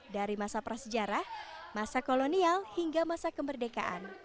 dari masa prasejarah masa kolonial hingga masa kemerdekaan